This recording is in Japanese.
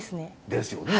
ですよね。